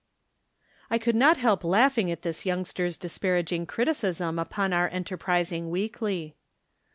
I could not help laughing at this youngster's disparaging criticism upon our enterprising weekly.